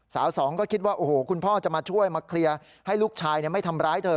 สองก็คิดว่าโอ้โหคุณพ่อจะมาช่วยมาเคลียร์ให้ลูกชายไม่ทำร้ายเธอ